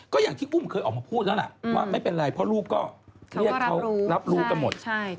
ก็อย่างที่อุ้มเคยออกมาพูดแล้วล่ะว่าไม่เป็นไรเพราะลูกก็เรียกเขารับรู้กันหมด